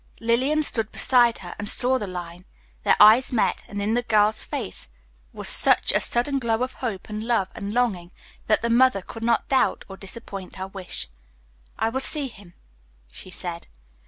Lillian stood beside her and saw the line. Their eyes met, and in the girl's face was such a sudden glow of hope, and love, and longing, that the mother could not doubt or disappoint her wish. "I will see him," she said.